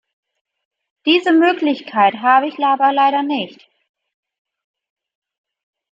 Diese Möglichkeit habe ich aber leider nicht.